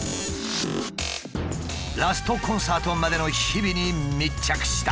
ラストコンサートまでの日々に密着した。